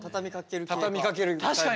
畳みかける系か。